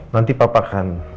nanti papa akan